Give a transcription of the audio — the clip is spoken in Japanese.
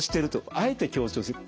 あえて強調してる。